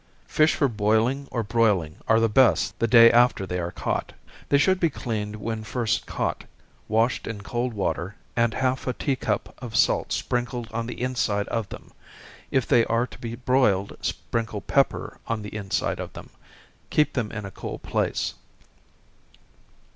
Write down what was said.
_ Fish for boiling or broiling are the best the day after they are caught. They should be cleaned when first caught, washed in cold water, and half a tea cup of salt sprinkled on the inside of them. If they are to be broiled, sprinkle pepper on the inside of them keep them in a cool place.